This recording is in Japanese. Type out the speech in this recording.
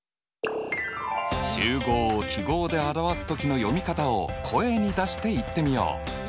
集合を記号で表す時の読み方を声に出して言ってみよう。